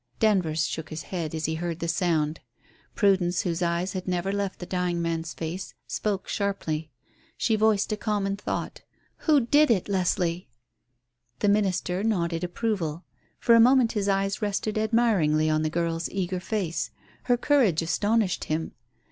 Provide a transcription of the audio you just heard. Danvers shook his head as he heard the sound. Prudence, whose eyes had never left the dying man's face, spoke sharply. She voiced a common thought "Who did it, Leslie?" The minister nodded approval. For a moment his eyes rested admiringly on the girl's eager face. Her courage astonished him.